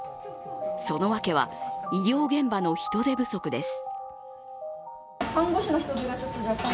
その訳は医療現場の人手不足です。